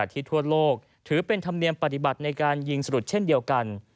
ทั่วโลกถือเป็นธรรมเนียมปฏิบัติในการยิงสรุดเช่นเดียวกัน